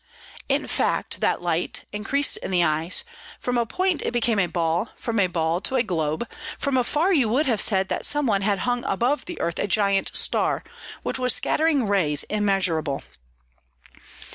In fact, that light, increased in the eyes: from a point it became a ball, from a ball a globe; from afar you would have said that some one had hung above the earth a giant star, which was scattering rays immeasurable.